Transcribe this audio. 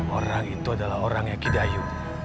orang itu adalah orangnya kidayu